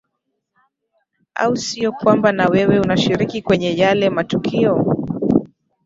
au sio kwamba na wewe unashiriki kwenye yale matukio